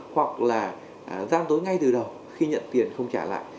hoặc là gian tối ngay từ đầu khi nhận tiền không trả lại